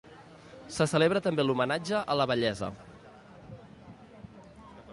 Se celebra també l'homenatge a la vellesa.